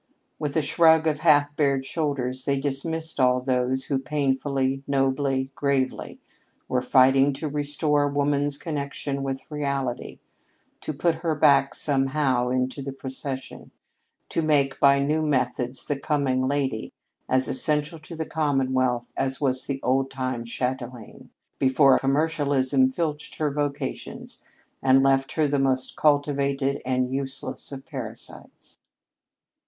With a shrug of half bared shoulders they dismissed all those who, painfully, nobly, gravely, were fighting to restore woman's connection with reality to put her back, somehow, into the procession; to make, by new methods, the "coming lady" as essential to the commonwealth as was the old time châtelaine before commercialism filched her vocations and left her the most cultivated and useless of parasites.